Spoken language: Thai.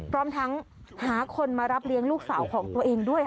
พร้อมทั้งหาคนมารับเลี้ยงลูกสาวของตัวเองด้วย